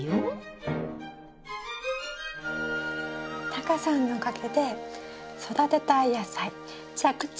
タカさんのおかげで育てたい野菜着々と作ってます。